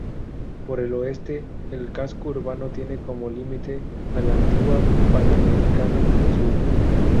Por el oeste, el casco urbano tiene como límite a la Antigua Panamericana Sur.